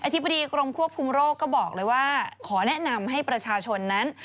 ธิบดีกรมควบคุมโรคก็บอกเลยว่าขอแนะนำให้ประชาชนนั้น